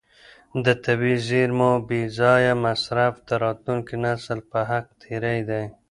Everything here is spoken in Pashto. د طبیعي زیرمو بې ځایه مصرف د راتلونکي نسل په حق تېری دی.